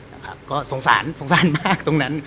นะครับก็สงสารสงสารมากตรงนั้น